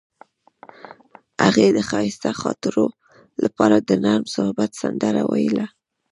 هغې د ښایسته خاطرو لپاره د نرم محبت سندره ویله.